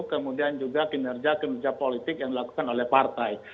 kemudian juga kinerja kinerja politik yang dilakukan oleh partai